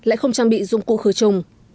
lại không trang bị dụng cụ khử trùng